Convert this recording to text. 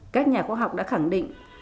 các nhà khoa học đã khẳng định